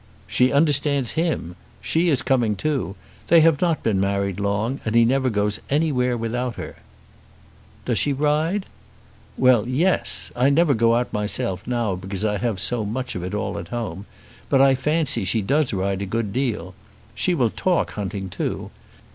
"She understands him. She is coming too. They have not been married long, and he never goes anywhere without her." "Does she ride?" "Well; yes. I never go out myself now because I have so much of it all at home. But I fancy she does ride a good deal. She will talk hunting too.